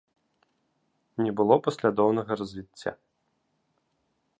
Не было паслядоўнага развіцця.